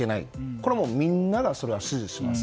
これはみんなが支持します。